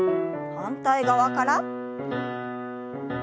反対側から。